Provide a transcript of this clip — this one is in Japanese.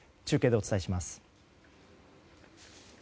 中継でお伝えします。